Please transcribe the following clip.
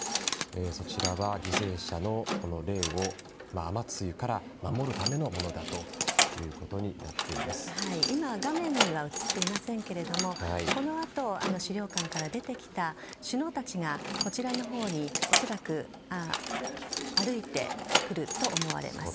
そちらは犠牲者の霊を雨露から守るためのものだ今、画面には映っていませんけどもこのあと資料館から出てきた首脳たちが、こちらのほうに恐らく歩いてくると思われます。